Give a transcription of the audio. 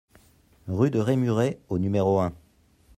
Rue de Rémuret au numéro un